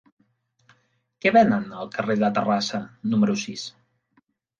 Què venen al carrer de Terrassa número sis?